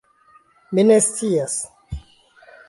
Ni ne scias.